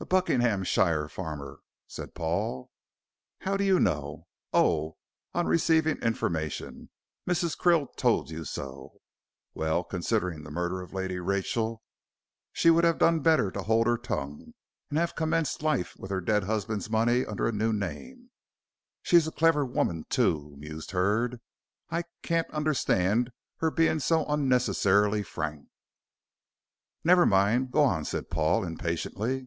"A Buckinghamshire farmer," said Paul. "How do you know? oh!" on receiving information "Mrs. Krill told you so? Well, considering the murder of Lady Rachel, she would have done better to hold her tongue and have commenced life with her dead husband's money under a new name. She's a clever woman, too," mused Hurd, "I can't understand her being so unnecessarily frank." "Never mind, go on," said Paul, impatiently.